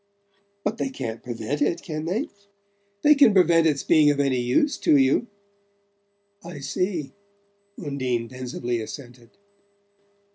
"But they can't prevent it, can they?" "They can prevent its being of any use to you." "I see," Undine pensively assented.